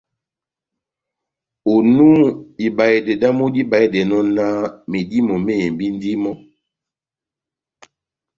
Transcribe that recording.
Onu, ibahedɛ dámu díbahedɛnɔ náh medímo mehembindini mɔ́,